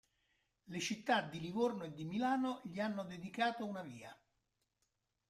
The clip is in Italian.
Le città di Livorno e di Milano gli hanno dedicato una via.